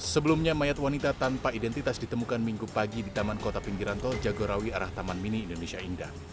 sebelumnya mayat wanita tanpa identitas ditemukan minggu pagi di taman kota pinggiran tol jagorawi arah taman mini indonesia indah